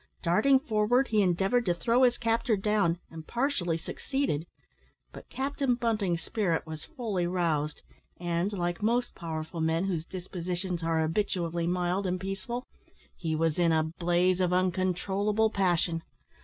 Darting forward, he endeavoured to throw his captor down, and partially succeeded; but Captain Bunting's spirit was fully roused, and, like most powerful men whose dispositions are habitually mild and peaceful, he was in a blaze of uncontrollable passion.